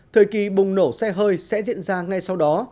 thời kỳ bùng nổ xe hơi sẽ diễn ra ngay sau đó